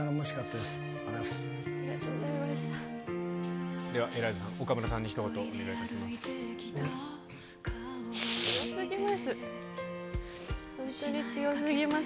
では、エライザさん、岡村さんにひと言お願いいたします。